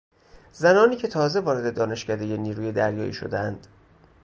زنانی که تازه وارد دانشکدهی نیروی دریایی شدهاند